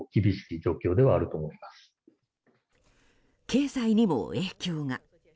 経済にも影響が。